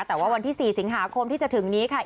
แต่ว่าวันที่๔สิงหาคมที่จะถึงนี้ค่ะ